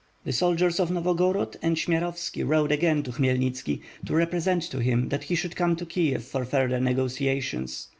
The soldiers of Novogorod and Sniarovski rode again to Khmyelnitski, to represent to him that he should come to Kiev for further negotiations.